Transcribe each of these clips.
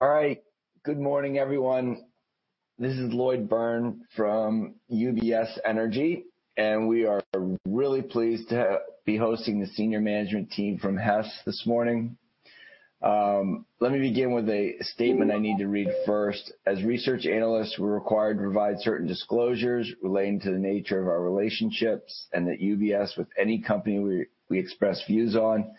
All right. Good morning, everyone. This is Lloyd Byrne from UBS Energy. We are really pleased to be hosting the senior management team from Hess this morning. Let me begin with a statement I need to read first. As research analysts, we're required to provide certain disclosures relating to the nature of our relationships, and that UBS with any company we express views on,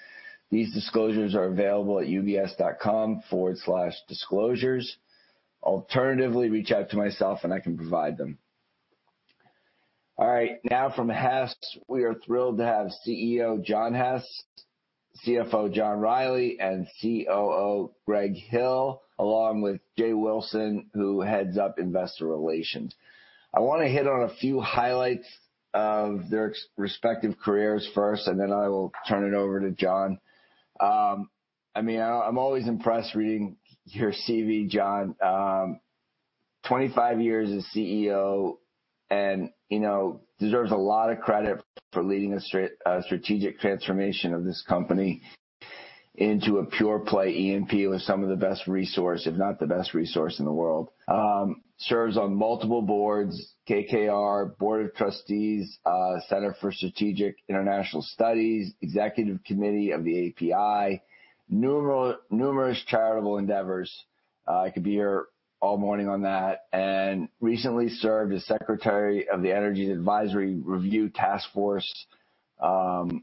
these disclosures are available at ubs.com/disclosures. Alternatively, reach out to myself. I can provide them. All right. Now from Hess, we are thrilled to have CEO John Hess, CFO John Rielly, and COO Greg Hill, along with Jay Wilson, who heads up investor relations. I want to hit on a few highlights of their respective careers first. Then I will turn it over to John. I'm always impressed reading your CV, John. 25 years as CEO and deserves a lot of credit for leading a strategic transformation of this company into a pure play E&P with some of the best resource, if not the best resource in the world. Serves on multiple boards, KKR, Board of Trustees, Center for Strategic and International Studies, Executive Committee of the API, numerous charitable endeavors. I could be here all morning on that. Recently served as secretary of the Energy Advisory Review Task Force. There's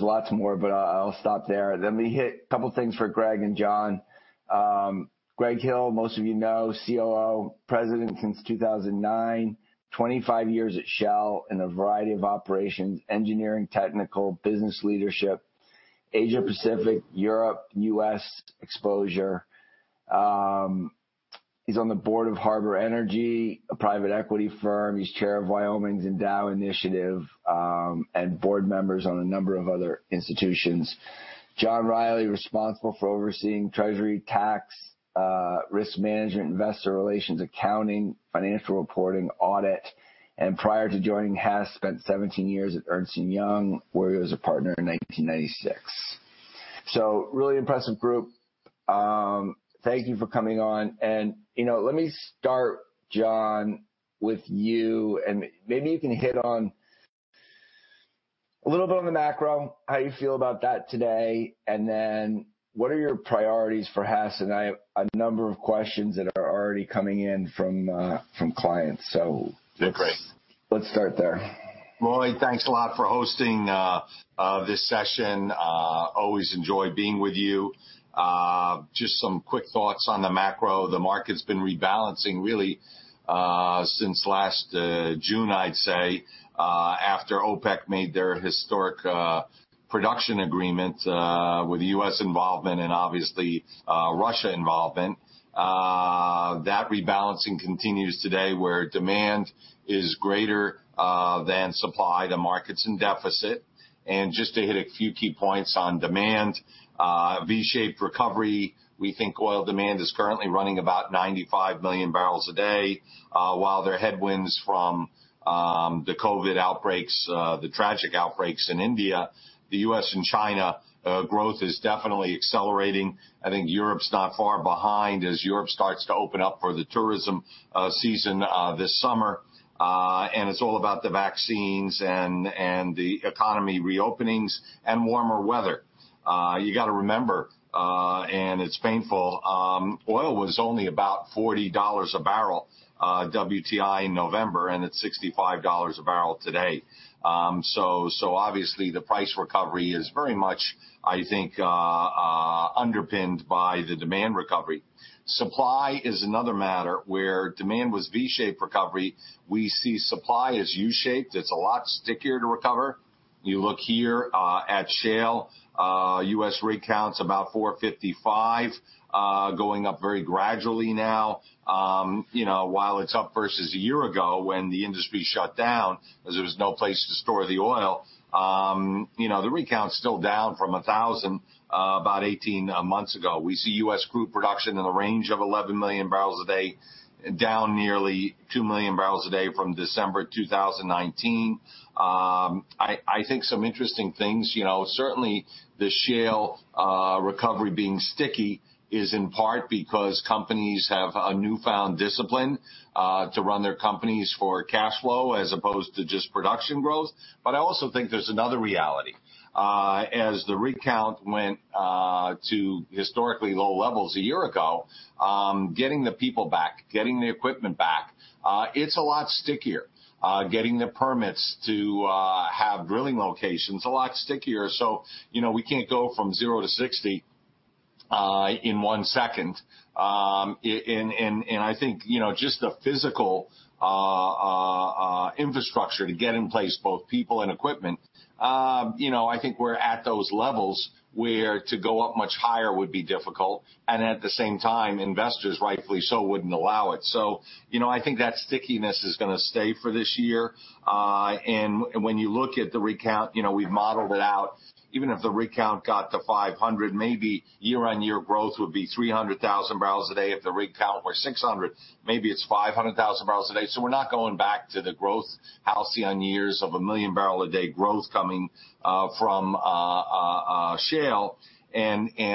lots more, I'll stop there. Let me hit a couple of things for Greg and John. Greg Hill, most of you know, COO, President since 2009, 25 years at Shell in a variety of operations, engineering, technical, business leadership, Asia Pacific, Europe, U.S. exposure. He's on the board of Harbour Energy, a private equity firm. He's chair of Wyoming's ENDOW initiative, board members on a number of other institutions. John Rielly, responsible for overseeing treasury, tax, risk management, investor relations, accounting, financial reporting, audit, prior to joining Hess, spent 17 years at Ernst & Young, where he was a partner in 1996. Really impressive group. Thank you for coming on. Let me start, John, with you, and maybe you can hit on a little bit on the macro, how you feel about that today, and then what are your priorities for Hess? I have a number of questions that are already coming in from clients. Yeah, great. Let's start there. Lloyd, thanks a lot for hosting this session. Always enjoy being with you. Just some quick thoughts on the macro. The market's been rebalancing really since last June, I'd say, after OPEC made their historic production agreement, with U.S. involvement and obviously, Russia involvement. That rebalancing continues today, where demand is greater than supply. The market's in deficit. Just to hit a few key points on demand, V-shaped recovery, we think oil demand is currently running about 95 MMbpd. While there are headwinds from the COVID outbreaks, the tragic outbreaks in India, the U.S. and China growth is definitely accelerating. I think Europe's not far behind as Europe starts to open up for the tourism season this summer. It's all about the vaccines and the economy reopenings and warmer weather. You got to remember, and it's painful, oil was only about $40 a barrel WTI in November, and it's $65 a barrel today. Obviously the price recovery is very much, I think, underpinned by the demand recovery. Supply is another matter where demand was V-shaped recovery. We see supply as U-shaped. It's a lot stickier to recover. You look here at shale, U.S. rig count's about 455, going up very gradually now. While it's up versus a year ago when the industry shut down as there was no place to store the oil, the rig count's still down from 1,000 about 18 months ago. We see U.S. crude production in the range of 11 MMbpd, down nearly 2 MMbpd from December 2019. I think some interesting things, certainly the shale recovery being sticky is in part because companies have a newfound discipline to run their companies for cash flow as opposed to just production growth. I also think there's another reality. As the rig count went to historically low levels a year ago, getting the people back, getting the equipment back, it's a lot stickier. Getting the permits to have drilling locations, a lot stickier. We can't go from zero to 60 in one second. I think just the physical infrastructure to get in place, both people and equipment, I think we're at those levels where to go up much higher would be difficult. At the same time, investors, rightfully so, wouldn't allow it. I think that stickiness is going to stay for this year. When you look at the rig count, we've modeled it out. Even if the rig count got to 500, maybe year-on-year growth would be 300,000 bbl a day. If the rig count were 600, maybe it's 500,000 bbl a day. We're not going back to the growth halcyon years of a million barrel a day growth coming from shale.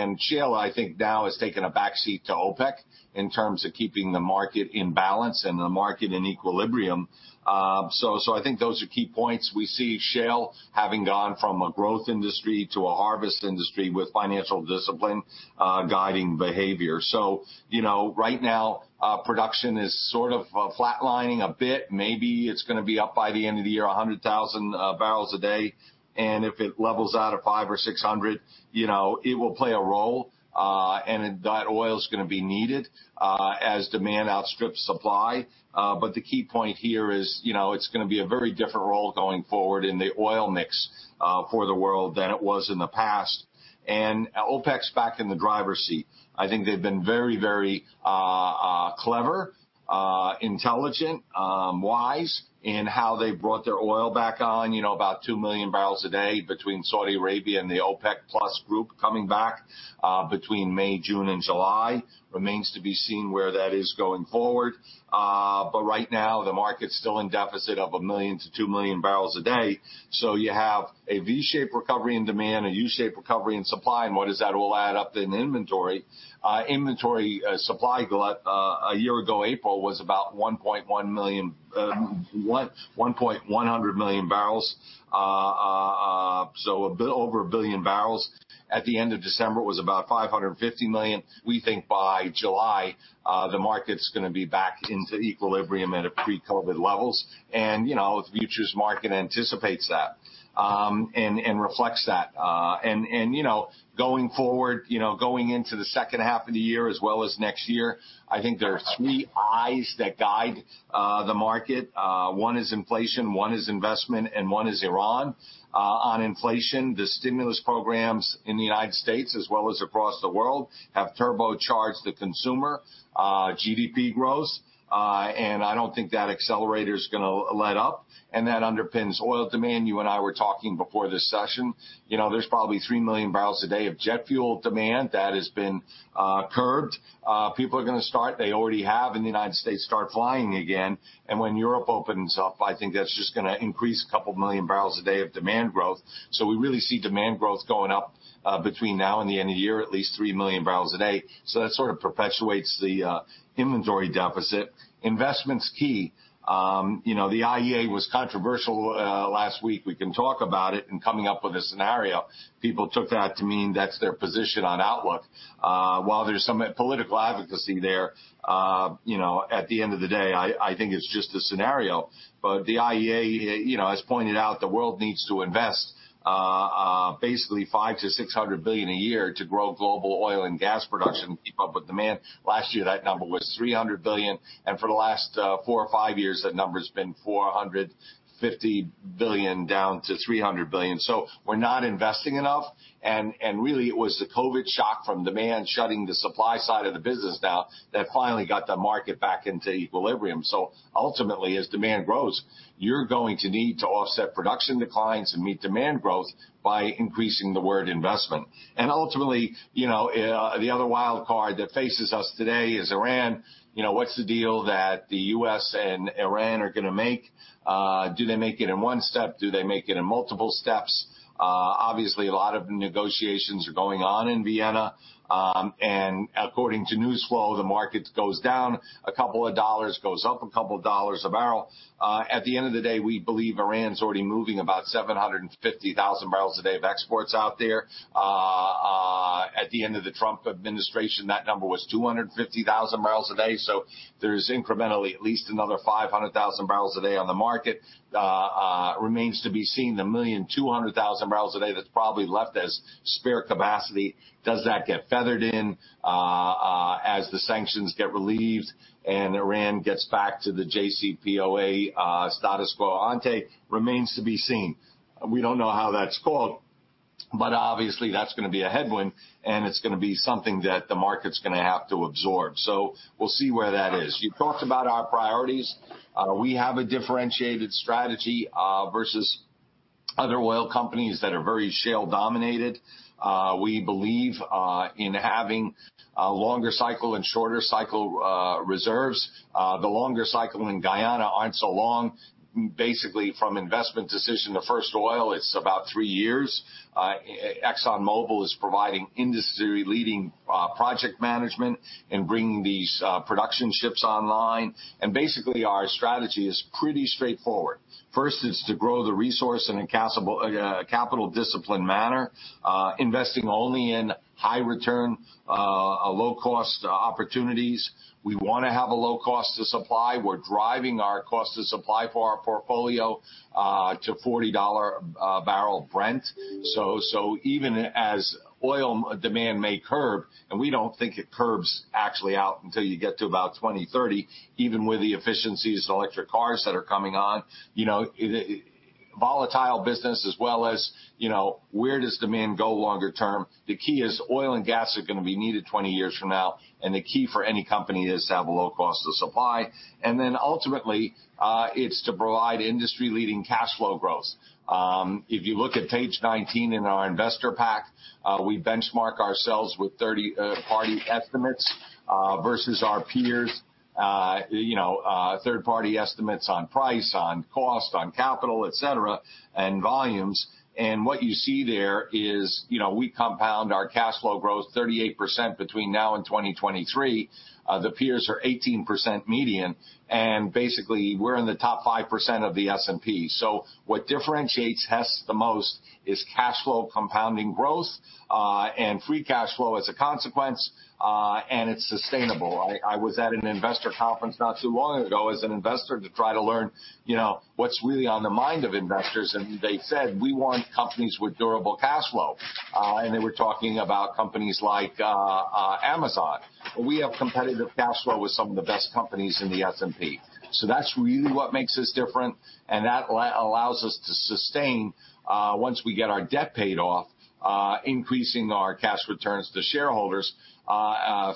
Shale, I think now has taken a backseat to OPEC in terms of keeping the market in balance and the market in equilibrium. I think those are key points. We see shale having gone from a growth industry to a harvest industry with financial discipline guiding behavior. Right now, production is sort of flatlining a bit. Maybe it's going to be up by the end of the year, 100,000 bbl a day, and if it levels out at 500 or 600, it will play a role, and that oil's going to be needed as demand outstrips supply. The key point here is it's going to be a very different role going forward in the oil mix for the world than it was in the past. OPEC's back in the driver's seat. I think they've been very clever, intelligent, wise in how they brought their oil back on, about 2 MMbpd between Saudi Arabia and the OPEC+ group coming back between May, June and July. Remains to be seen where that is going forward. Right now the market's still in deficit of 1 million-2 MMbpd. You have a V-shaped recovery in demand, a U-shaped recovery in supply. What does that all add up in inventory? Inventory supply glut a year ago, April, was about 1,100 million bbl. A bit over 1 billion bbl. At the end of December, it was about 550 million bbl. We think by July, the market's going to be back into equilibrium and at pre-COVID levels. The futures market anticipates that and reflects that. Going forward, going into the second half of the year as well as next year, I think there are three 'I's that guide the market. One is inflation, one is investment, and one is Iran. On inflation, the stimulus programs in the U.S. as well as across the world have turbocharged the consumer GDP growth. I don't think that accelerator's going to let up, and that underpins oil demand. You and I were talking before this session. There's probably 3 MMbpd of jet fuel demand that has been curbed. People are going to start, they already have in the U.S., start flying again. When Europe opens up, I think that's just going to increase 2 MMbpd of demand growth. We really see demand growth going up between now and the end of year, at least 3 MMbpd. That sort of perpetuates the inventory deficit. Investment's key. The IEA was controversial last week. We can talk about it in coming up with a scenario. People took that to mean that's their position on outlook. While there's some political advocacy there, at the end of the day, I think it's just a scenario. The IEA has pointed out the world needs to invest basically $500 billion-$600 billion a year to grow global oil and gas production to keep up with demand. Last year, that number was $300 billion. For the last four or five years, that number's been $450 billion down to $300 billion. We're not investing enough, and really it was the COVID shock from demand shutting the supply side of the business down that finally got the market back into equilibrium. Ultimately, as demand grows, you're going to need to offset production declines and meet demand growth by increasing the whole investment. Ultimately, the other wild card that faces us today is Iran. What's the deal that the U.S. and Iran are going to make? Do they make it in one step? Do they make it in multiple steps? Obviously, a lot of negotiations are going on in Vienna. According to news flow, the market goes down a couple of dollars, goes up a couple of dollars a barrel. At the end of the day, we believe Iran's already moving about 750,000 bbl a day of exports out there. At the end of the Trump administration, that number was 250,000 bbl a day. There's incrementally at least another 500,000 bbl a day on the market. Remains to be seen, the 1,200,000 bbl a day that's probably left as spare capacity. Does that get feathered in as the sanctions get relieved and Iran gets back to the JCPOA status quo ante? Remains to be seen. We don't know how that's called, obviously that's going to be a headwind and it's going to be something that the market's going to have to absorb. We'll see where that is. You've talked about our priorities. We have a differentiated strategy versus other oil companies that are very shale dominated. We believe in having longer cycle and shorter cycle reserves. The longer cycle in Guyana aren't so long. Basically from investment decision to first oil, it's about three years. ExxonMobil is providing industry leading project management and bringing these production ships online. Basically our strategy is pretty straightforward. First, it's to grow the resource in a capital discipline manner, investing only in high return, low cost opportunities. We want to have a low cost to supply. We're driving our cost to supply for our portfolio to $40 a barrel Brent. Even as oil demand may curb, and we don't think it curbs actually out until you get to about 2030, even with the efficiencies of electric cars that are coming on. Volatile business as well as where does demand go longer term. The key is oil and gas are going to be needed 20 years from now. The key for any company is to have a low cost of supply. Ultimately, it's to provide industry leading cash flow growth. If you look at page 19 in our investor pack, we benchmark ourselves with third-party estimates versus our peers. Third-party estimates on price, on cost, on capital, et cetera, and volumes. What you see there is, we compound our cash flow growth 38% between now and 2023. The peers are 18% median. Basically, we're in the top 5% of the S&P. What differentiates Hess the most is cash flow compounding growth, and free cash flow as a consequence, and it's sustainable. I was at an investor conference not too long ago as an investor to try to learn what's really on the mind of investors. They said, "We want companies with durable cash flow." They were talking about companies like Amazon. We have competitive cash flow with some of the best companies in the S&P. That's really what makes us different, and that allows us to sustain, once we get our debt paid off, increasing our cash returns to shareholders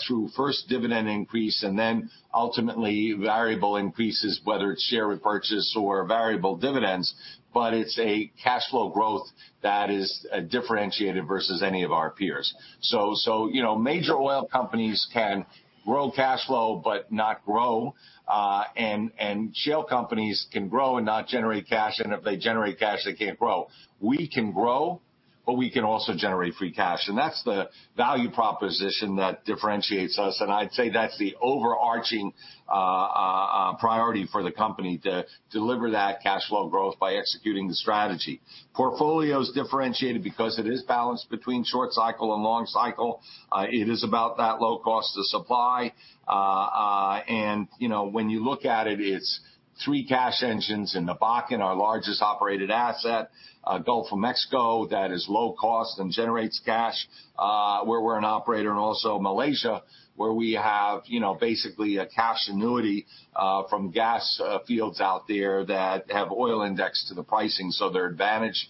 through first dividend increase and then ultimately variable increases, whether it's share repurchases or variable dividends, but it's a cash flow growth that is differentiated versus any of our peers. Major oil companies can grow cash flow but not grow. Shale companies can grow and not generate cash, and if they generate cash, they can't grow. We can grow, but we can also generate free cash. That's the value proposition that differentiates us, and I'd say that's the overarching priority for the company to deliver that cash flow growth by executing the strategy. Portfolio is differentiated because it is balanced between short cycle and long cycle. It is about that low cost to supply. When you look at it's three cash engines in the Bakken, our largest operated asset, Gulf of Mexico, that is low cost and generates cash, where we're an operator, and also Malaysia, where we have basically a cash annuity from gas fields out there that have oil indexed to the pricing. They're advantaged.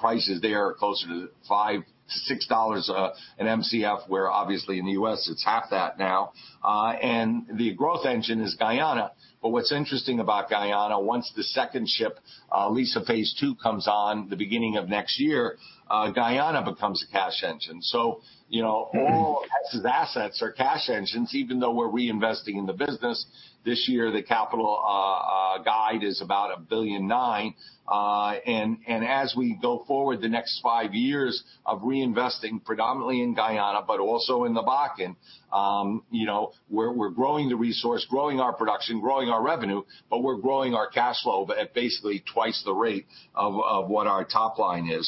Prices there are closer to $5-$6 an MCF, where obviously in the U.S. it's half that now. The growth engine is Guyana. What's interesting about Guyana, once the second ship, Liza phase II, comes on the beginning of next year, Guyana becomes a cash engine. All of Hess's assets are cash engines, even though we're reinvesting in the business. This year, the capital guide is about $1.9 billion. As we go forward the next five years of reinvesting predominantly in Guyana, but also in the Bakken, where we're growing the resource, growing our production, growing our revenue, but we're growing our cash flow at basically twice the rate of what our top line is.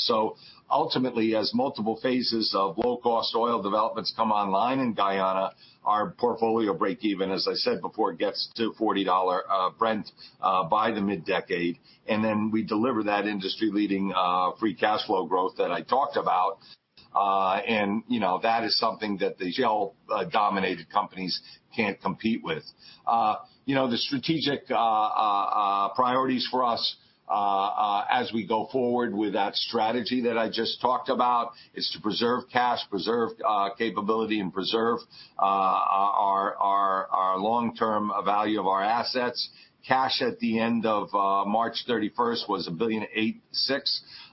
Ultimately, as multiple phases of low-cost oil developments come online in Guyana, our portfolio break even, as I said before, it gets to $40 Brent by the mid-decade. We deliver that industry-leading free cash flow growth that I talked about. That is something that the shale-dominated companies can't compete with. The strategic priorities for us, as we go forward with that strategy that I just talked about, is to preserve cash, preserve capability, and preserve our long-term value of our assets. Cash at the end of March 31st was $1.86 billion.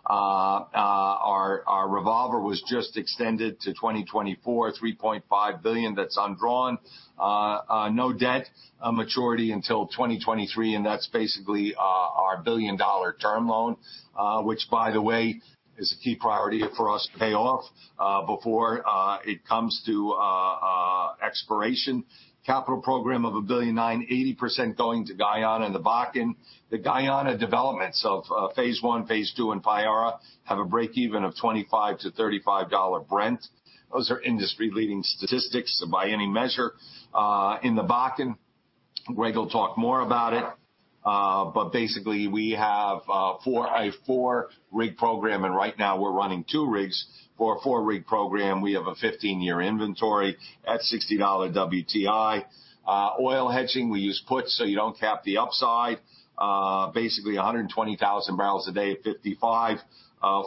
Our revolver was just extended to 2024, $3.5 billion that's undrawn. No debt maturity until 2023, and that's basically our $1 billion term loan, which by the way, is a key priority for us to pay off before it comes to expiration. Capital program of $1.9 billion, 80% going to Guyana and the Bakken. The Guyana development, so phase I, phase II, and Payara, have a break-even of $25-$35 Brent. Those are industry-leading statistics by any measure. In the Bakken, Greg will talk more about it. Basically, we have a four-rig program, and right now we're running two rigs. For a four-rig program, we have a 15-year inventory at $60 WTI. Oil hedging, we use puts, so you don't cap the upside. Basically 120,000 barrels a day at $55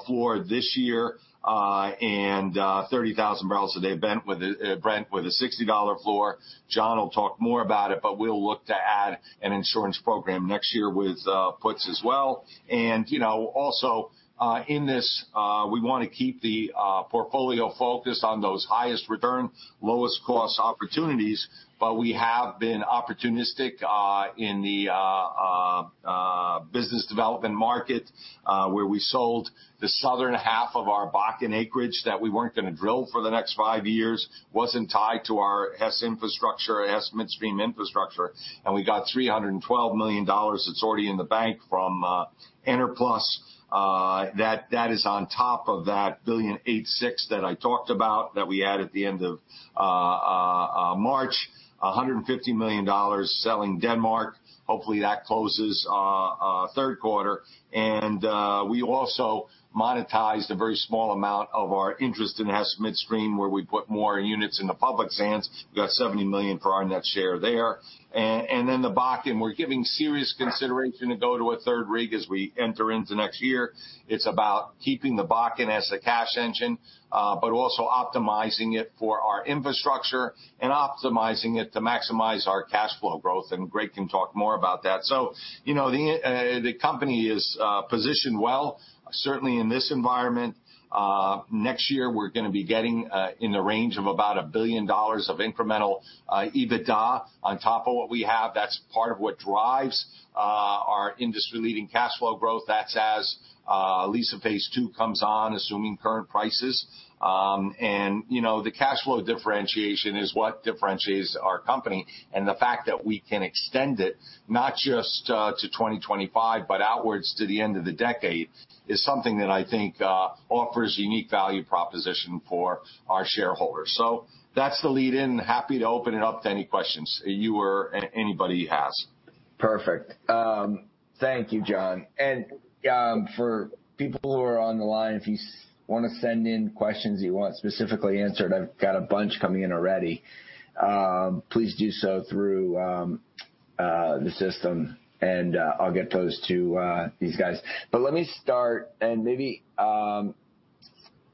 floor this year, and 30,000 bbl a day Brent with a $60 floor. John will talk more about it, but we'll look to add an insurance program next year with puts as well. Also, in this, we want to keep the portfolio focused on those highest return, lowest cost opportunities. We have been opportunistic in the business development market, where we sold the southern half of our Bakken acreage that we weren't going to drill for the next five years, wasn't tied to our Hess Midstream infrastructure. We got $312 million that's already in the bank from Enerplus. That is on top of that 1.86 billion that I talked about that we had at the end of March. $150 million selling Denmark. Hopefully, that closes third quarter. We also monetized a very small amount of our interest in Hess Midstream, where we put more units in the public's hands. We got $70 million for our net share there. In the Bakken, we're giving serious consideration to go to a third rig as we enter into next year. It's about keeping the Bakken as a cash engine, but also optimizing it for our infrastructure and optimizing it to maximize our cash flow growth, and Greg can talk more about that. The company is positioned well, certainly in this environment. Next year, we're going to be getting in the range of about a billion dollars of incremental EBITDA on top of what we have. That's part of what drives our industry-leading cash flow growth. That's as Liza phase II comes on, assuming current prices. The cash flow differentiation is what differentiates our company. The fact that we can extend it not just to 2025, but outwards to the end of the decade, is something that I think offers unique value proposition for our shareholders. That's the lead-in. Happy to open it up to any questions you or anybody has. Perfect. Thank you, John. For people who are on the line, if you want to send in questions you want specifically answered, I've got a bunch coming in already. Please do so through the system, and I'll get those to these guys. Let me start, maybe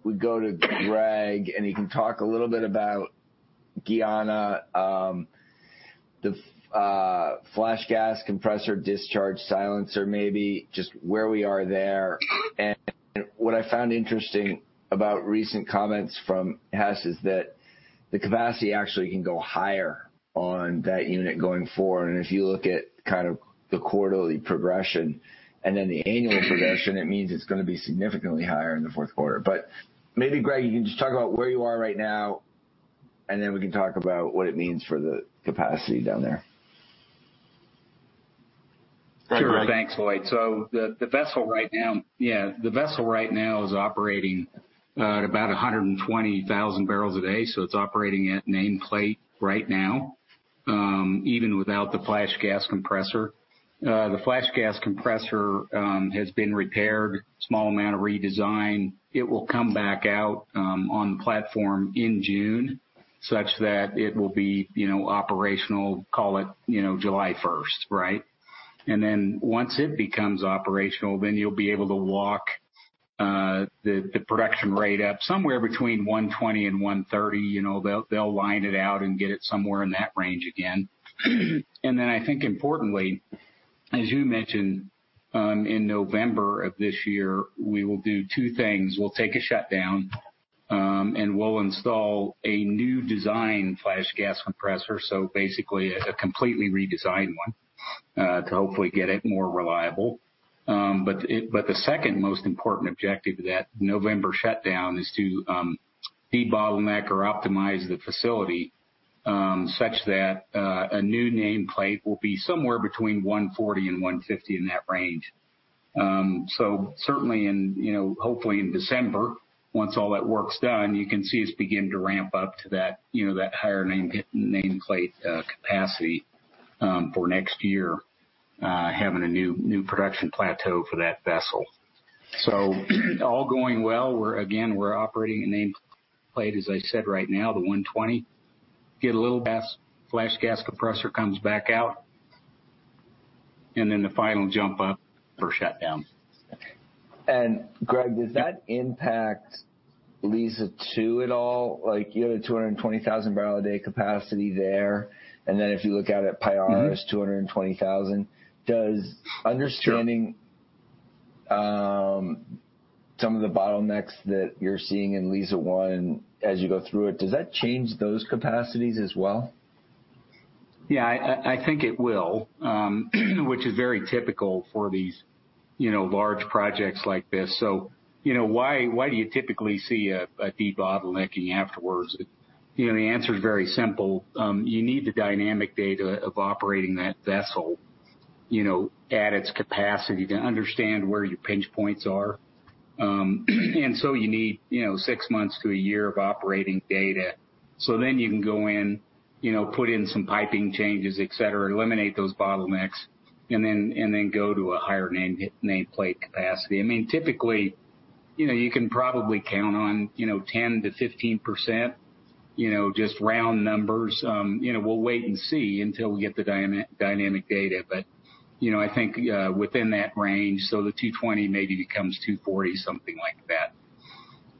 we go to Greg Hill, and you can talk a little bit about Guyana, the flash gas compressor discharge silencer. Maybe just where we are there. What I found interesting about recent comments from Hess is that the capacity actually can go higher on that unit going forward. If you look at kind of the quarterly progression and then the annual progression, it means it's going to be significantly higher in the fourth quarter. Maybe, Greg, you can just talk about where you are right now, and then we can talk about what it means for the capacity down there. Sure. Thanks, Lloyd. The vessel right now is operating at about 120,000 bbl a day. It's operating at nameplate right now, even without the flash gas compressor. The flash gas compressor has been repaired. Small amount of redesign. It will come back out on the platform in June such that it will be operational, call it July 1st, right? Once it becomes operational, then you'll be able to walk the production rate up somewhere between 120 and 130. They'll wind it out and get it somewhere in that range again. I think importantly, as you mentioned, in November of this year, we will do two things. We'll take a shutdown, and we'll install a new design flash gas compressor. Basically, a completely redesigned one to hopefully get it more reliable. The second most important objective of that November shutdown is to debottleneck or optimize the facility such that a new nameplate will be somewhere between 140 and 150, in that range. Certainly, hopefully in December, once all that work's done, you can see us begin to ramp up to that higher nameplate capacity for next year, having a new production plateau for that vessel. All going well. Again, we're operating at nameplate, as I said, right now, the 120. Get a little gas, flash gas compressor comes back out, and then the final jump up for shutdown. Greg, does that impact Liza phase II at all? You have a 220,000-bbl-a-day capacity there. If you look out at Payara, it's 220,000 bbl- Sure understanding some of the bottlenecks that you're seeing in Liza phase I as you go through it, does that change those capacities as well? Yeah, I think it will, which is very typical for these large projects like this. Why do you typically see a debottlenecking afterwards? The answer is very simple. You need the dynamic data of operating that vessel at its capacity to understand where your pinch points are. You need six months to a year of operating data. Then you can go in, put in some piping changes, et cetera, eliminate those bottlenecks, and then go to a higher nameplate capacity. Typically, you can probably count on 10%-15%, just round numbers. We'll wait and see until we get the dynamic data. I think within that range. The 220 maybe becomes 240, something like that.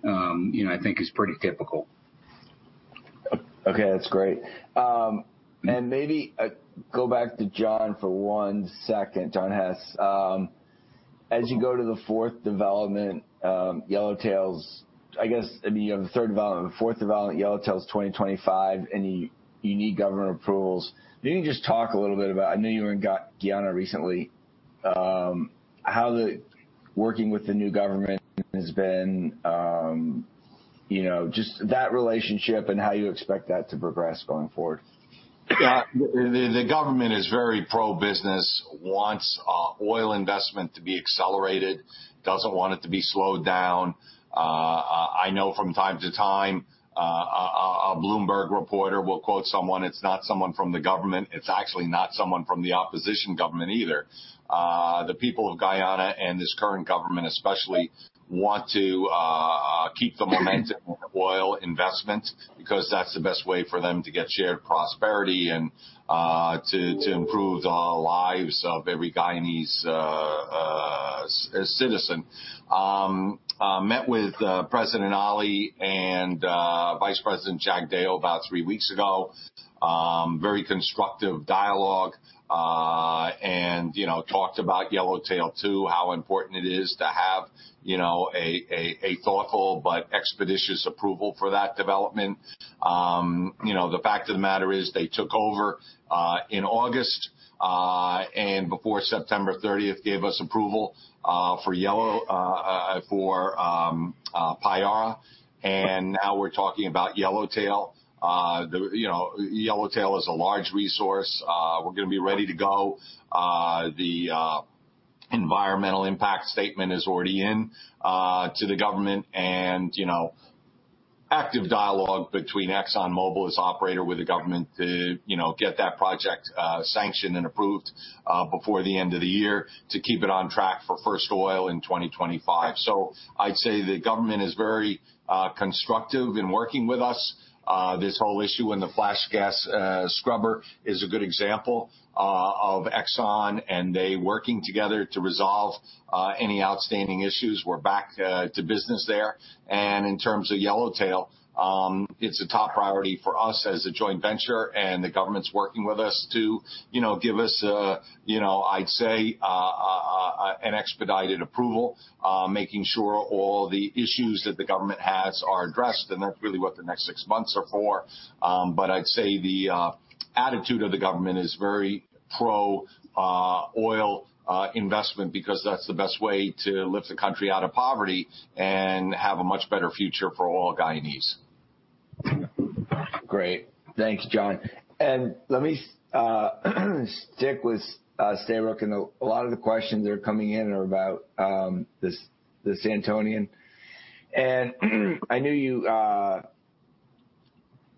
I think it's pretty typical. Okay. That's great. Maybe go back to John for one second, John Hess. As you go to the fourth development, Yellowtail is, I guess, the third development. The fourth development, Yellowtail is 2025. Any unique government approvals? Maybe just talk a little bit about. I know you were in Guyana recently. How the working with the new government has been. Just that relationship and how you expect that to progress going forward. Yeah. The government is very pro-business, wants oil investment to be accelerated, doesn't want it to be slowed down. I know from time to time, a Bloomberg reporter will quote someone. It's not someone from the government. It's actually not someone from the opposition government either. The people of Guyana, this current government especially, want to keep the momentum in oil investment because that's the best way for them to get shared prosperity and to improve the lives of every Guyanese citizen. Met with President Ali and Vice President Jagdeo about three weeks ago. Very constructive dialogue. Talked about Yellowtail too, how important it is to have a thoughtful but expeditious approval for that development. The fact of the matter is they took over in August, and before September 30th gave us approval for Payara, and now we're talking about Yellowtail. Yellowtail is a large resource. We're going to be ready to go. The environmental impact statement is already in to the government, Active dialogue between ExxonMobil as operator with the government to get that project sanctioned and approved before the end of the year to keep it on track for first oil in 2025. I'd say the government is very constructive in working with us. This whole issue in the flash gas scrubber is a good example of Exxon and they working together to resolve any outstanding issues. We're back to business there. In terms of Yellowtail, it's a top priority for us as a joint venture, The government's working with us to give us, I'd say, an expedited approval. Making sure all the issues that the government has are addressed, That's really what the next six months are for. I'd say the attitude of the government is very pro oil investment, because that's the best way to lift the country out of poverty and have a much better future for all Guyanese. Great. Thank you, John. Let me stick with Stabroek. A lot of the questions that are coming in are about the Santonian.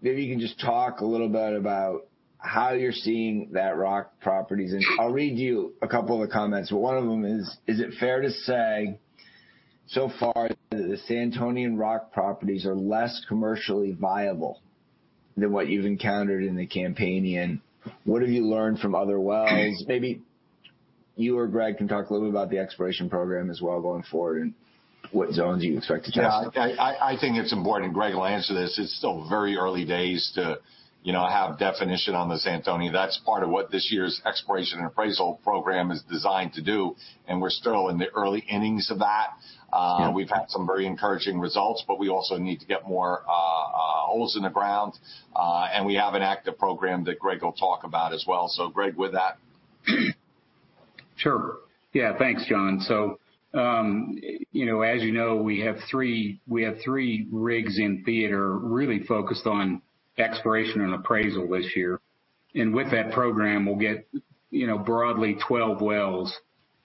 Maybe you can just talk a little bit about how you're seeing that rock properties. I'll read you a couple of the comments. One of them is: Is it fair to say, so far, that the Santonian rock properties are less commercially viable than what you've encountered in the Campanian? What have you learned from other wells? Maybe you or Greg can talk a little bit about the exploration program as well going forward, and what zones you expect to test. Yeah, I think it's important, and Greg will answer this, it's still very early days to have definition on the Santonian. That's part of what this year's exploration and appraisal program is designed to do, and we're still in the early innings of that. Yeah. We've had some very encouraging results, but we also need to get more holes in the ground. We have an active program that Greg will talk about as well. Greg, with that. Sure. Yeah. Thanks, John. As you know, we have three rigs in theater really focused on exploration and appraisal this year. With that program, we'll get broadly 12 wells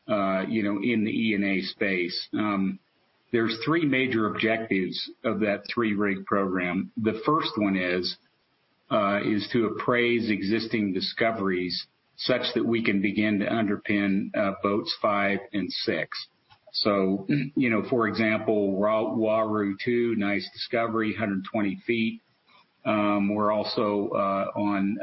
in the E&A space. There's three major objectives of that three-rig program. The first one is to appraise existing discoveries such that we can begin to underpin FPSOs five and six. For example, Uaru-2, nice discovery, 120 feet. We're also on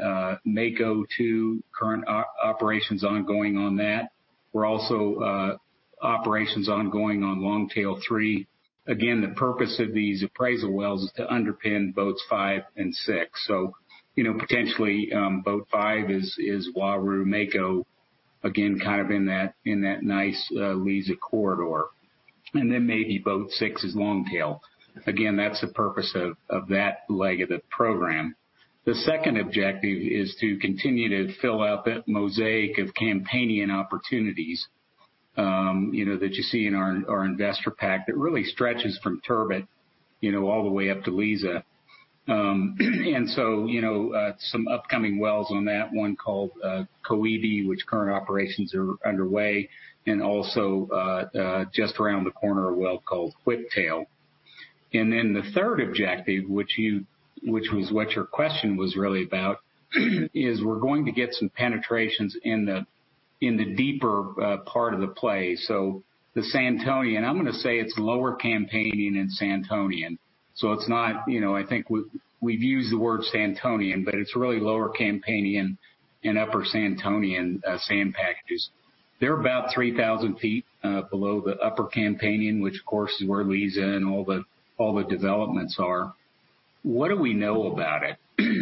Mako-2, current operations ongoing on that. We're also operations ongoing on Longtail-3. Again, the purpose of these appraisal wells is to underpin FPSOs five and six. Potentially, FPSO five is Uaru, Mako, again, kind of in that nice Liza corridor. Maybe FPSO six is Longtail. Again, that's the purpose of that leg of the program. The second objective is to continue to fill out that mosaic of Campanian opportunities that you see in our investor pack that really stretches from Turbot all the way up to Liza. Some upcoming wells on that one called Koebi, which current operations are underway, and also, just around the corner, a well called Whiptail. The third objective, which was what your question was really about, is we're going to get some penetrations in the deeper part of the play. The Santonian, I'm going to say it's lower Campanian and Santonian. It's not, I think we've used the word Santonian, but it's really lower Campanian and upper Santonian sand packages. They're about 3,000 ft below the upper Campanian, which of course, is where Liza and all the developments are. What do we know about it?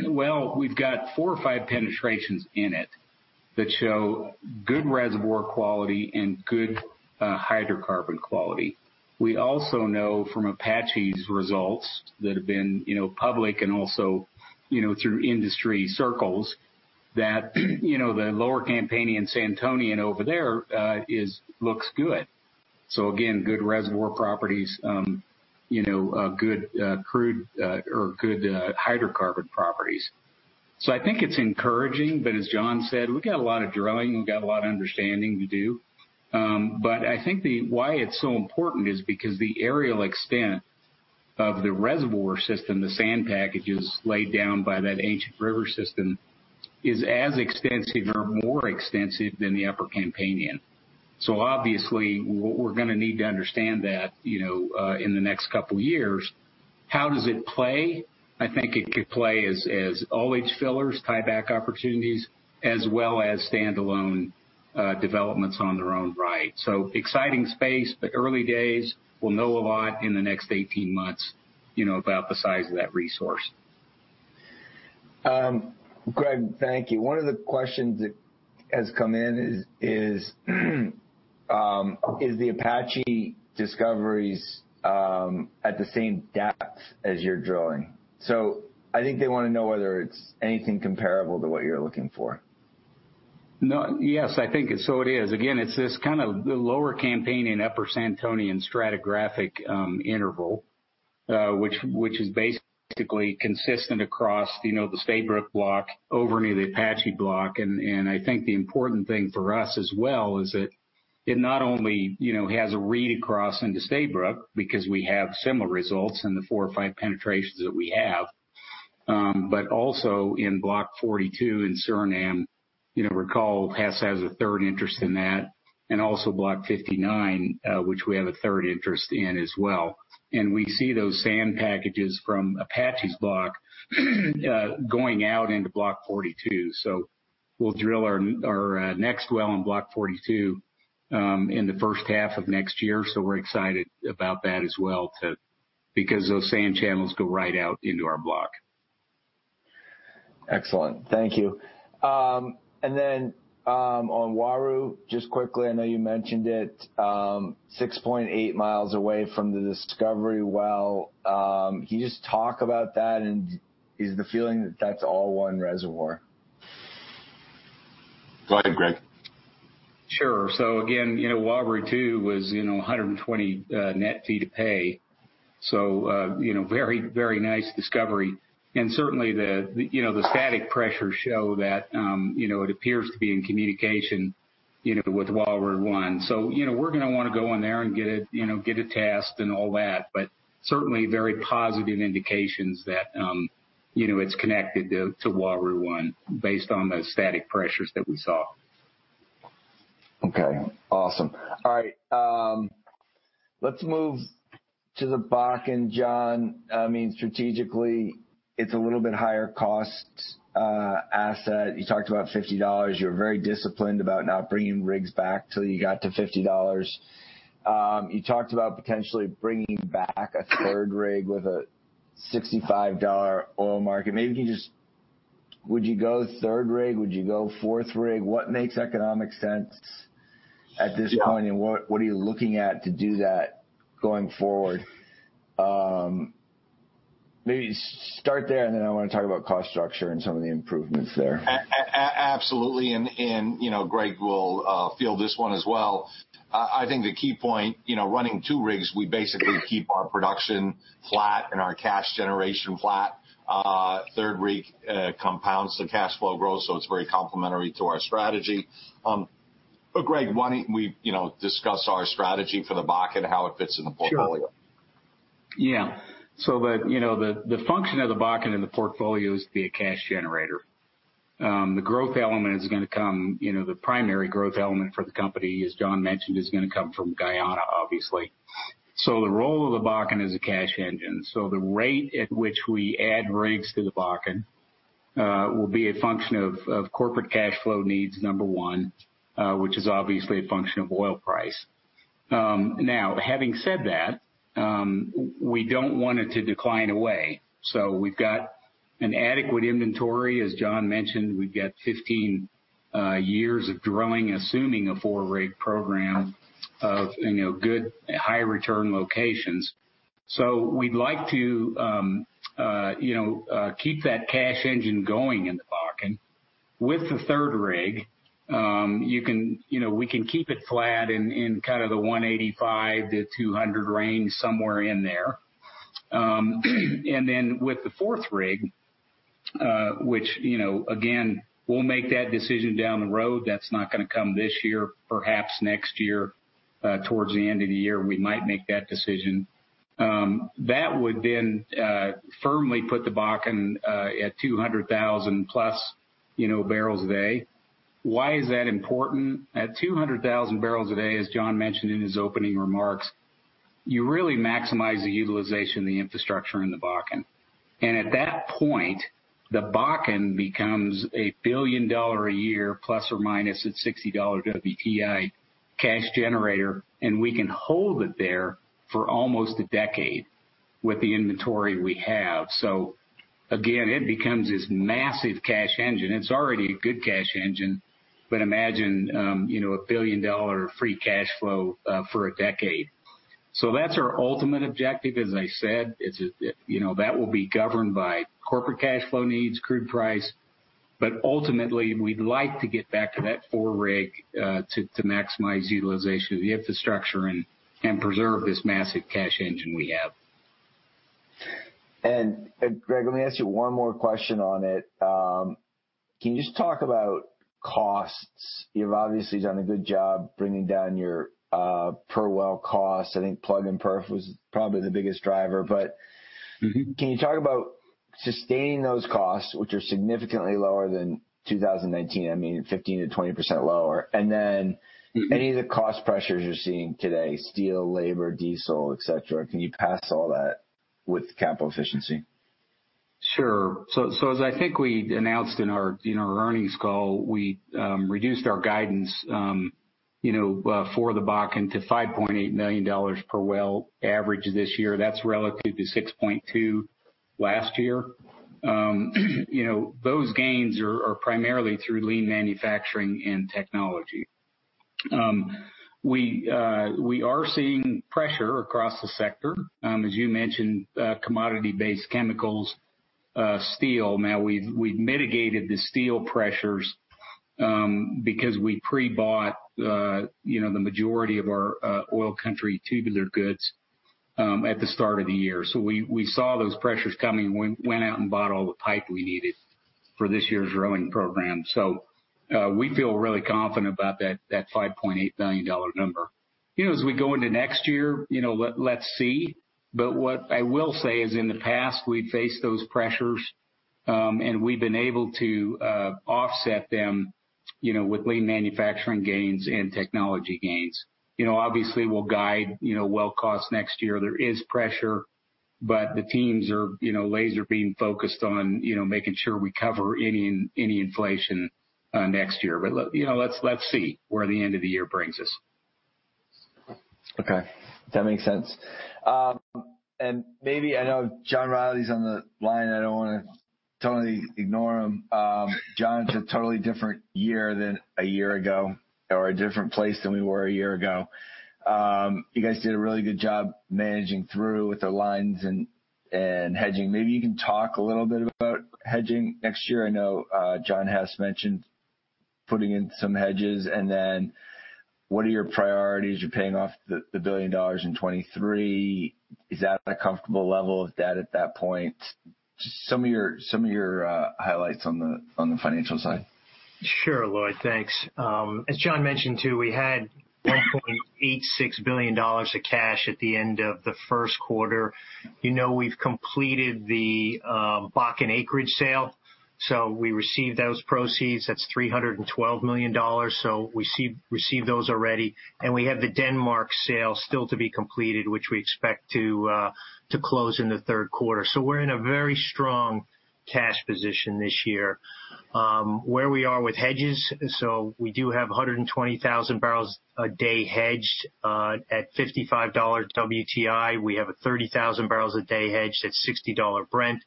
Well, we've got four or five penetrations in it that show good reservoir quality and good hydrocarbon quality. We also know from Apache's results that have been public and also through industry circles that the lower Campanian/Santonian over there looks good. Again, good reservoir properties, good crude or good hydrocarbon properties. I think it's encouraging, but as John said, we've got a lot of drilling, we've got a lot of understanding to do. I think why it's so important is because the aerial extent of the reservoir system, the sand packages laid down by that ancient river system, is as extensive or more extensive than the upper Campanian. Obviously, we're going to need to understand that in the next couple of years. How does it play? I think it could play as ullage fillers, tieback opportunities, as well as standalone developments on their own right. Exciting space, but early days. We'll know a lot in the next 18 months about the size of that resource. Greg, thank you. One of the questions that has come in is, "Is the Apache discoveries at the same depth as your drilling?" I think they want to know whether it's anything comparable to what you're looking for. Yes, I think it so it is. Again, it's this kind of lower Campanian, upper Santonian stratigraphic interval which is basically consistent across the Stabroek Block over near the Apache Block. I think the important thing for us as well is that it not only has a read across into Stabroek because we have similar results in the four or five penetrations that we have, but also in Block 42 in Suriname, recall Hess has 1/3 interest in that, and also Block 59, which we have 1/3 interest in as well. We see those sand packages from Apache's Block going out into Block 42. We'll drill our next well in Block 42 in the first half of next year. We're excited about that as well because those sand channels go right out into our block. Excellent. Thank you. On Uaru, just quickly, I know you mentioned it, 6.8 mi away from the discovery well. Can you just talk about that and is the feeling that that's all one reservoir? Go ahead, Greg. Sure. Again, Uaru-2 was 120 net feet of pay. Very nice discovery, and certainly the static pressures show that it appears to be in communication with Uaru-1. We're going to want to go in there and get it tested and all that, but certainly very positive indications that it's connected to Uaru-1 based on those static pressures that we saw. Okay, awesome. All right. Let's move to the Bakken. John, strategically, it's a little bit higher cost asset. You talked about $50. You were very disciplined about not bringing rigs back till you got to $50. You talked about potentially bringing back 1/3 rig with a $65 oil market. Maybe can you just, would you go third rig? Would you go fourth rig? What makes economic sense at this point, and what are you looking at to do that going forward? Maybe start there, and then I want to talk about cost structure and some of the improvements there. Absolutely. Greg will field this one as well. I think the key point, running two rigs, we basically keep our production flat and our cash generation flat. Third rig compounds the cash flow growth, it's very complementary to our strategy. Greg, why don't we discuss our strategy for the Bakken and how it fits in the portfolio? Sure. Yeah. The function of the Bakken in the portfolio is to be a cash generator. The primary growth element for the company, as John mentioned, is going to come from Guyana, obviously. The role of the Bakken is a cash engine. The rate at which we add rigs to the Bakken will be a function of corporate cash flow needs, number one, which is obviously a function of oil price. Having said that, we don't want it to decline away. We've got an adequate inventory. As John mentioned, we've got 15 years of drilling, assuming a four-rig program of good high return locations. We'd like to keep that cash engine going in the Bakken. With the third rig, we can keep it flat in kind of the 185-200 range, somewhere in there. With the fourth rig, which again, we'll make that decision down the road, that's not going to come this year. Perhaps next year, towards the end of the year, we might make that decision. Firmly put the Bakken at 200,000+ bbl a day. Why is that important? At 200,000 barrels a day, as John Hess mentioned in his opening remarks, you really maximize the utilization of the infrastructure in the Bakken. At that point, the Bakken becomes a billion-dollar-a-year, plus or minus at $60 WTI cash generator, and we can hold it there for almost a decade with the inventory we have. Again, it becomes this massive cash engine. It's already a good cash engine, but imagine a billion-dollar free cash flow for a decade. That's our ultimate objective, as I said. That will be governed by corporate cash flow needs, crude price. Ultimately, we'd like to get back to that four rig to maximize utilization of the infrastructure and preserve this massive cash engine we have. Greg, let me ask you one more question on it. Can you just talk about costs? You've obviously done a good job bringing down your per well cost. I think plug and perf was probably the biggest driver. Can you talk about sustaining those costs, which are significantly lower than 2019, I mean, 15%-20% lower? Any of the cost pressures you're seeing today, steel, labor, diesel, et cetera. Can you pass all that with capital efficiency? Sure. As I think we announced in our earnings call, we reduced our guidance for the Bakken to $5.8 million per well average this year. That's relative to $6.2 last year. Those gains are primarily through lean manufacturing and technology. We are seeing pressure across the sector, as you mentioned, commodity-based chemicals, steel. Now we've mitigated the steel pressures because we pre-bought the majority of our oil country tubular goods at the start of the year. We saw those pressures coming and went out and bought all the pipe we needed for this year's drilling program. We feel really confident about that $5.8 million number. As we go into next year, let's see. What I will say is in the past, we faced those pressures, and we've been able to offset them with lean manufacturing gains and technology gains. Obviously, we'll guide well costs next year. There is pressure, the teams are laser beam focused on making sure we cover any inflation next year. Let's see where the end of the year brings us. Okay. That makes sense. Maybe I know John Rielly's on the line. I don't want to totally ignore him. John, it's a totally different year than a year ago or a different place than we were a year ago. You guys did a really good job managing through with the lines and hedging. Maybe you can talk a little bit about hedging next year. I know John Hess mentioned putting in some hedges, what are your priorities? You're paying off the $1 billion in 2023. Is that a comfortable level of debt at that point? Just some of your highlights on the financial side. Sure, Lloyd. Thanks. As John mentioned too, we had $1.86 billion of cash at the end of the first quarter. We've completed the Bakken acreage sale. We received those proceeds. That's $312 million. We received those already. We have the Denmark sale still to be completed, which we expect to close in the third quarter. We're in a very strong cash position this year. Where we are with hedges, we do have 120,000 bbl a day hedged at $55 WTI. We have a 30,000 bbl a day hedged at $60 Brent.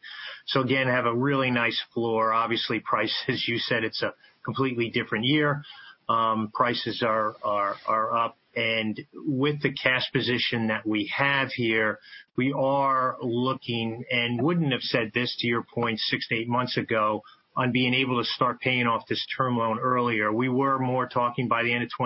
Again, have a really nice floor. Obviously, price, as you said, it's a completely different year. Prices are up, with the cash position that we have here, we are looking and wouldn't have said this to your point six to eight months ago on being able to start paying off this term loan earlier. We were more talking by the end of the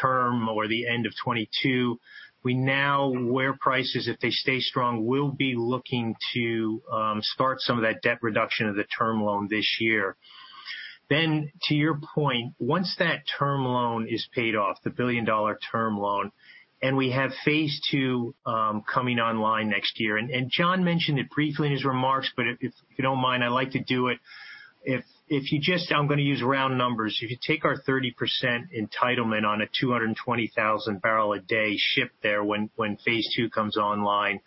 term or the end of 2022. We now, where prices, if they stay strong, we'll be looking to start some of that debt reduction of the term loan this year. To your point, once that term loan is paid off, the billion-dollar term loan, and we have phase II coming online next year. John mentioned it briefly in his remarks, but if you don't mind, I'd like to do it. I'm going to use round numbers. You could take our 30% entitlement on a 220,000 bbl a day ship there when phase II comes online.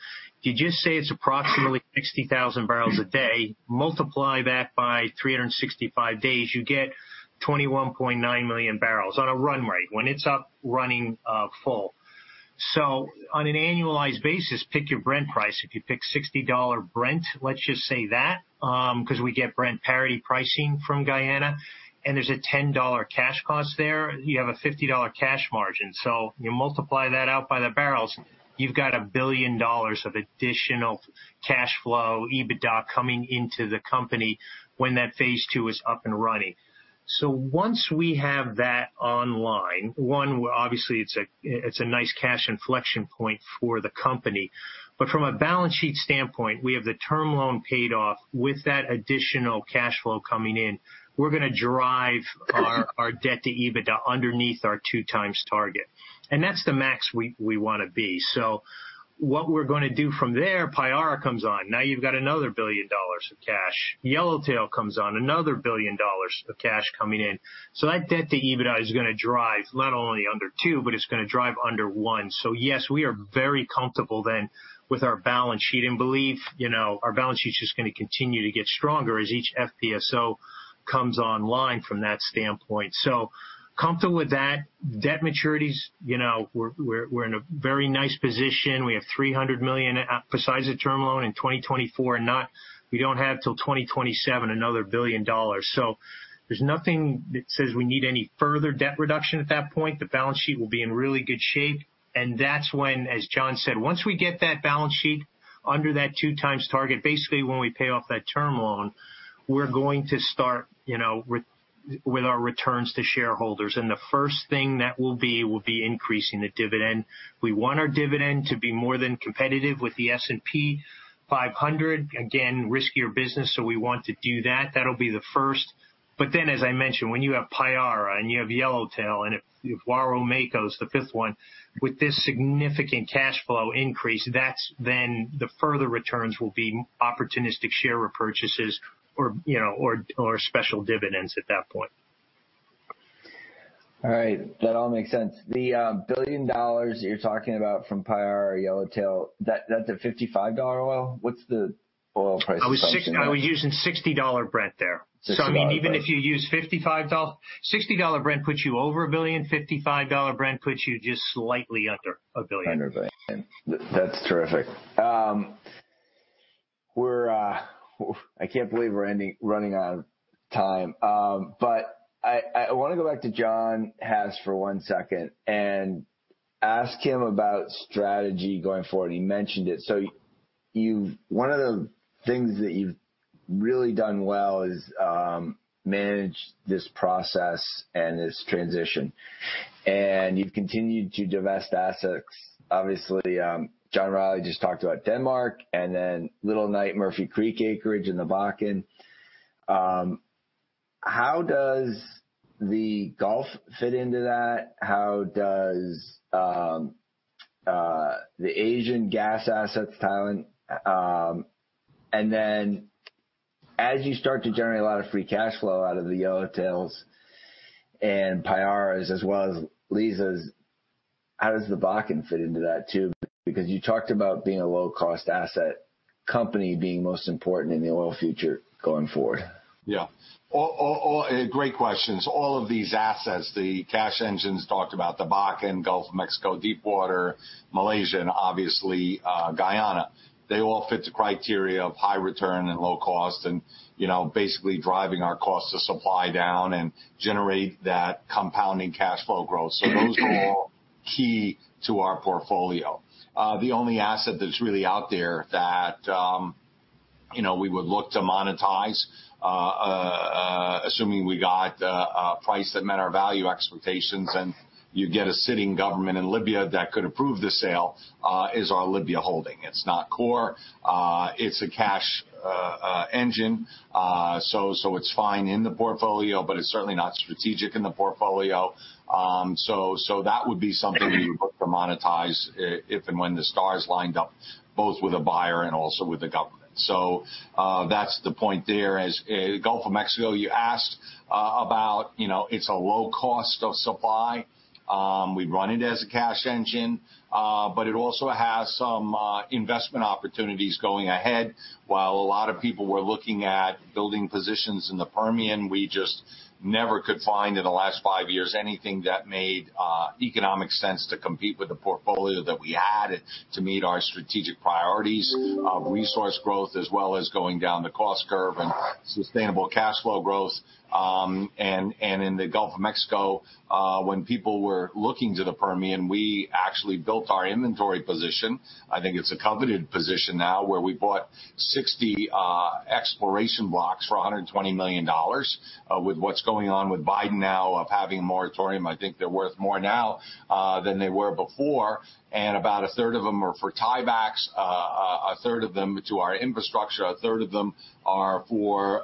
You just saved approximately 60,000 bbl a day. Multiply that by 365 days, you get 21.9 million bbl on a run rate when it's up running full. On an annualized basis, pick your Brent price. If you pick $60 Brent, let's just say that because we get Brent parity pricing from Guyana, and there's a $10 cash cost there, you have a $50 cash margin. You multiply that out by the barrels, you've got $1 billion of additional cash flow EBITDA coming into the company when that phase II is up and running. Once we have that online, one, obviously it's a nice cash inflection point for the company. From a balance sheet standpoint, we have the term loan paid off with that additional cash flow coming in. We're going to drive our debt to EBITDA underneath our 2x target, and that's the max we want to be. What we're going to do from there, Payara comes on. Now you've got another $1 billion of cash. Yellowtail comes on, another $1 billion of cash coming in. That debt to EBITDA is going to drive not only under two, but it's going to drive under one. Yes, we are very comfortable then with our balance sheet and believe our balance sheet's just going to continue to get stronger as each FPSO comes online from that standpoint. Comfortable with that. Debt maturities, we're in a very nice position. We have $300 million besides the term loan in 2024 and we don't have until 2027 another $1 billion. There's nothing that says we need any further debt reduction at that point. The balance sheet will be in really good shape, that's when, as John said, once we get that balance sheet under that two times target, basically when we pay off that term loan, we're going to start with our returns to shareholders. The first thing that will be increasing the dividend. We want our dividend to be more than competitive with the S&P 500. Again, riskier business, we want to do that. That'll be the first. As I mentioned, when you have Payara and you have Yellowtail and if Uaru-Mako is the fifth one, with this significant cash flow increase, that's the further returns will be opportunistic share repurchases or special dividends at that point. All right. That all makes sense. The $1 billion you're talking about from Payara Yellowtail, that's a $55 oil? What's the oil price assumption? I was using $60 Brent there. $60. Even if you use $60 Brent puts you over $1 billion, $55 Brent puts you just slightly under $1 billion. Under $1 billion. That's terrific. I can't believe we're running out of time. I want to go back to John Hess for one second and ask him about strategy going forward. He mentioned it. One of the things that you've really done well is manage this process and this transition, and you've continued to divest assets. Obviously, John Rielly just talked about Denmark, Little Knife and Murphy Creek acreage in the Bakken. How does the Gulf fit into that? How does the Asian gas assets tie in? As you start to generate a lot of free cash flow out of the Yellowtails and Payaras as well as Liza, how does the Bakken fit into that too? Because you talked about being a low-cost asset company being most important in the oil future going forward. Great questions. All of these assets, the cash engines talked about the Bakken, Gulf of Mexico, Deepwater, Malaysia, and obviously Guyana. They all fit the criteria of high return and low cost and basically driving our cost to supply down and generate that compounding cash flow growth. Those are all key to our portfolio. The only asset that's really out there that we would look to monetize, assuming we got price that met our value expectations, and you get a sitting government in Libya that could approve the sale, is our Libya holding. It's not core. It's a cash engine. It's fine in the portfolio, but it's certainly not strategic in the portfolio. That would be something we would look to monetize if and when the stars lined up, both with a buyer and also with the government. That's the point there. As Gulf of Mexico, you asked about, it's a low cost of supply. We run it as a cash engine. It also has some investment opportunities going ahead. While a lot of people were looking at building positions in the Permian, we just never could find in the last five years anything that made economic sense to compete with the portfolio that we had to meet our strategic priorities of resource growth as well as going down the cost curve and sustainable cash flow growth. In the Gulf of Mexico, when people were looking to the Permian, we actually built our inventory position. I think it's a coveted position now where we bought 60 exploration blocks for $120 million. With what's going on with Biden now of having a moratorium, I think they're worth more now than they were before. About 1/3 of them are for tiebacks, 1/3 of them to our infrastructure, 1/3 of them are for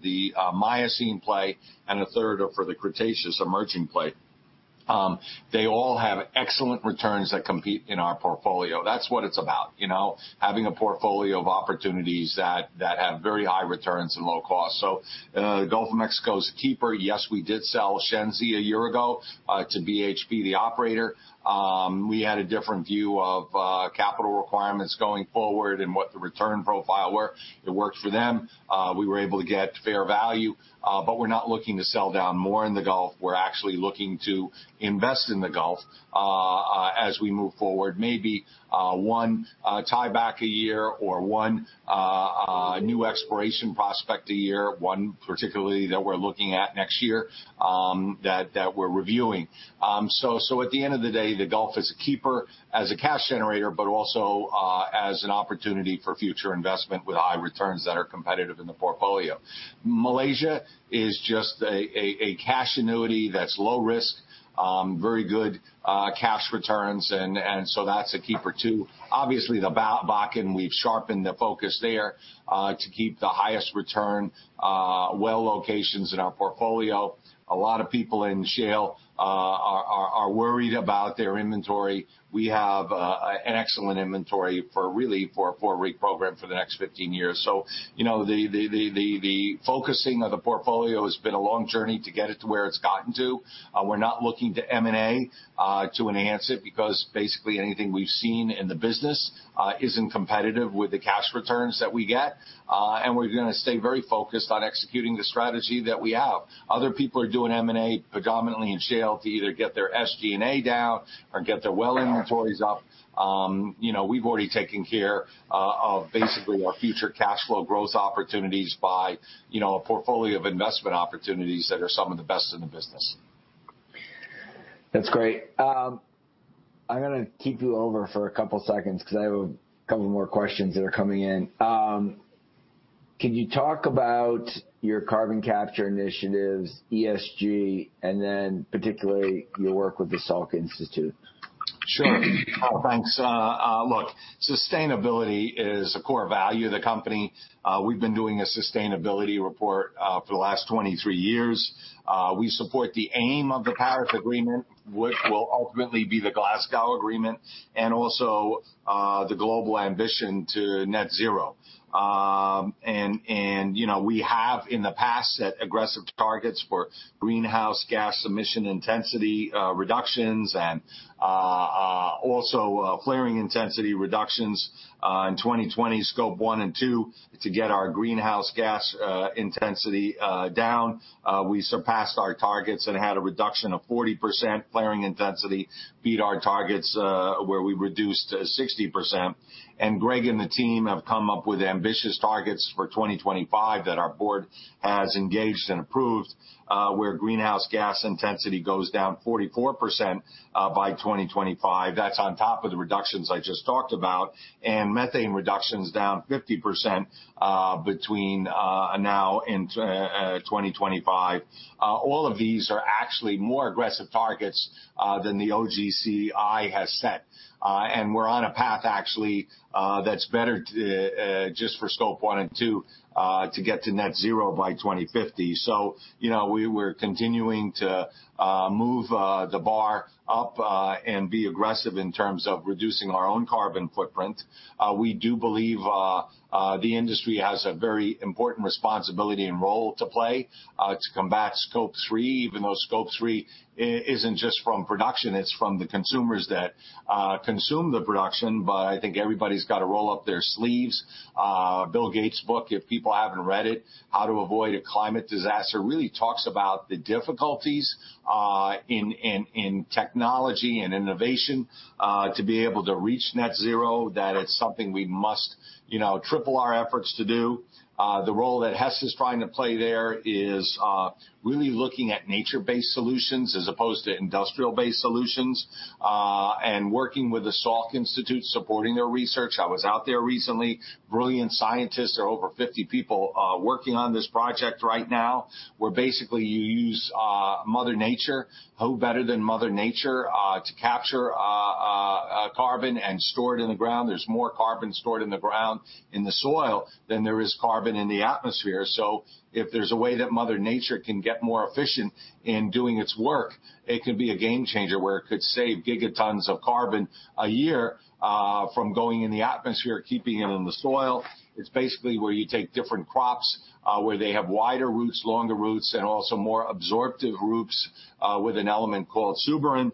the Miocene play, and 1/3 are for the Cretaceous emerging play. They all have excellent returns that compete in our portfolio. That's what it's about. Having a portfolio of opportunities that have very high returns and low cost. The Gulf of Mexico is a keeper. Yes, we did sell Shenzi a year ago to BHP, the operator. We had a different view of capital requirements going forward and what the return profile were. It worked for them. We were able to get fair value. We're not looking to sell down more in the Gulf. We're actually looking to invest in the Gulf as we move forward. Maybe one tieback a year or one new exploration prospect a year, one particularly that we're looking at next year that we're reviewing. At the end of the day, the Gulf is a keeper as a cash generator, but also as an opportunity for future investment with high returns that are competitive in the portfolio. Malaysia is just a cash annuity that's low risk, very good cash returns, and so that's a keeper too. Obviously, the Bakken, we've sharpened the focus there to keep the highest return well locations in our portfolio. A lot of people in shale are worried about their inventory. We have an excellent inventory for a four-year program for the next 15 years. The focusing of the portfolio has been a long journey to get it to where it's gotten to. We're not looking to M&A to enhance it because basically anything we've seen in the business isn't competitive with the cash returns that we get. We're going to stay very focused on executing the strategy that we have. Other people are doing M&A predominantly in shale to either get their SG&A down or get their well inventories up. We've already taken care of basically our future cash flow growth opportunities by a portfolio of investment opportunities that are some of the best in the business. That's great. I'm going to keep you over for a couple of seconds because I have a couple more questions that are coming in. Can you talk about your carbon capture initiatives, ESG, and then particularly your work with the Salk Institute? Sure. Thanks. Look, sustainability is a core value of the company. We've been doing a sustainability report for the last 23 years. We support the aim of the Paris Agreement, which will ultimately be the Glasgow Agreement, and also the global ambition to net zero. We have in the past set aggressive targets for greenhouse gas emission intensity reductions, and also flaring intensity reductions in 2020, scope one and two, to get our greenhouse gas intensity down. We surpassed our targets and had a reduction of 40% flaring intensity, beat our targets where we reduced 60%. Greg and the team have come up with ambitious targets for 2025 that our board has engaged and approved, where greenhouse gas intensity goes down 44% by 2025. That's on top of the reductions I just talked about, and methane reductions down 50% between now and 2025. All of these are actually more aggressive targets than the OGCI has set. We're on a path actually that's better just for scope one and two to get to net zero by 2050. We're continuing to move the bar up and be aggressive in terms of reducing our own carbon footprint. We do believe the industry has a very important responsibility and role to play to combat scope three, even though scope three isn't just from production, it's from the consumers that consume the production. I think everybody's got to roll up their sleeves. Bill Gates' book, if people haven't read it, "How to Avoid a Climate Disaster," really talks about the difficulties in technology and innovation to be able to reach net zero, that it's something we must triple our efforts to do. The role that Hess is trying to play there is really looking at nature-based solutions as opposed to industrial-based solutions, and working with the Salk Institute, supporting their research. I was out there recently. Brilliant scientists. There are over 50 people working on this project right now, where basically you use Mother Nature. Who better than Mother Nature to capture carbon and store it in the ground? There's more carbon stored in the ground, in the soil, than there is carbon in the atmosphere. If there's a way that Mother Nature can get more efficient in doing its work, it could be a game changer where it could save gigatons of carbon a year from going in the atmosphere, keeping it in the soil. It's basically where you take different crops where they have wider roots, longer roots, and also more absorptive roots with an element called suberin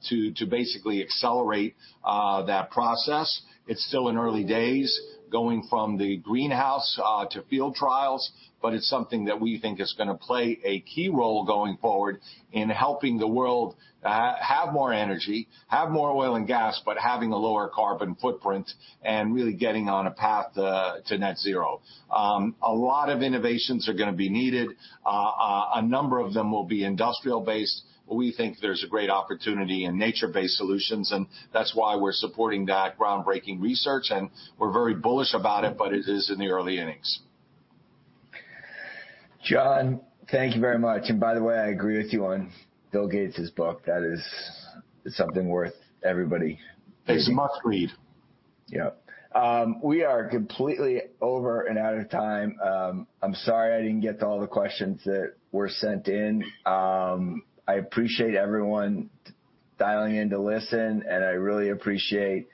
to basically accelerate that process. It's still in early days, going from the greenhouse to field trials. It's something that we think is going to play a key role going forward in helping the world have more energy, have more oil and gas, but having a lower carbon footprint and really getting on a path to net zero. A lot of innovations are going to be needed. A number of them will be industrial based. We think there's a great opportunity in nature-based solutions, and that's why we're supporting that groundbreaking research, and we're very bullish about it, but it is in the early innings. John, thank you very much. By the way, I agree with you on Bill Gates's book. That is something worth everybody reading. It's a must-read. Yep. We are completely over and out of time. I'm sorry I didn't get to all the questions that were sent in. I appreciate everyone dialing in to listen, and I really appreciate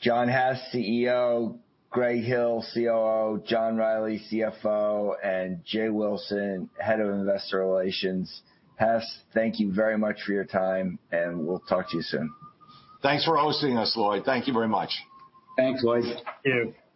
John Hess, CEO, Greg Hill, COO, John Rielly, CFO, and Jay Wilson, Vice President, Investor Relations. Hess, thank you very much for your time, and we'll talk to you soon. Thanks for hosting us, Lloyd. Thank you very much. Thanks, Lloyd. Thank you.